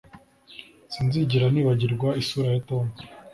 Sinzigera nibagirwa isura ya Tom